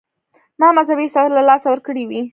ما مذهبي احساسات له لاسه ورکړي وي.